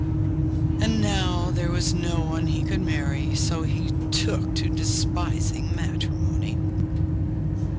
And now there was no one he could marry, so he took to despising matrimony.